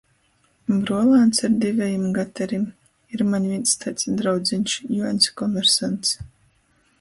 Bruolāns ar divejim gaterim. Ir maņ vīns taids draudzeņš, Juoņs-komersants.